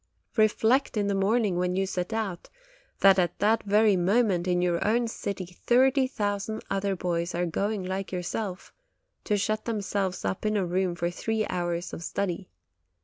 Reflect in the morning, when you set out, that at that very moment, in your own city, thirty thousand other boys are going like yourself, to shut themselves up in a room for three hours of study.